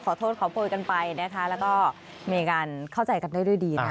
ขอโทษขอโพยกันไปนะคะแล้วก็มีการเข้าใจกันได้ด้วยดีนะ